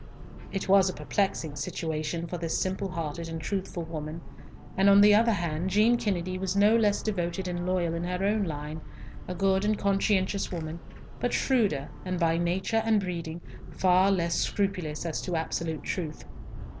It was a perplexing situation for this simple hearted and truthful woman, and, on the other hand, Jean Kennedy was no less devoted and loyal in her own line, a good and conscientious woman, but shrewder, and, by nature and breeding, far less scrupulous as to absolute truth.